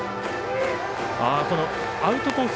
アウトコース